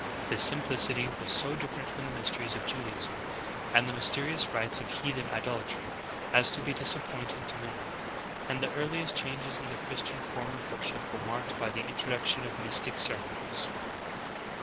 This simplicity was so different from the mysteries of Judaism and the mysterious rites of heathen idolatry as to be disappointing to many; and the earliest changes in the Christian form of worship were marked by the introduction of mystic ceremonies.